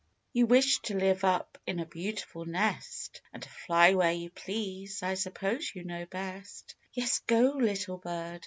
You wish to live up in a beautiful nest, And fly where you please; I suppose you know best. THE GRATEFUL BIRD. Yes, go, little bird